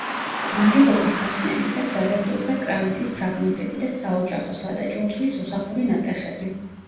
ნაგებობის გაწმენდისას დადასტურდა კრამიტის ფრაგმენტები და საოჯახო, სადა ჭურჭლის უსახური ნატეხები.